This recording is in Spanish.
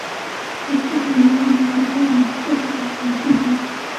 Éste, sin embargo, no logró ser tan exitoso como el primer sencillo.